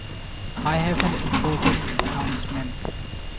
I have an important announcement